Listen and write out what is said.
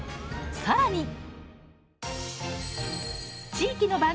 さらに！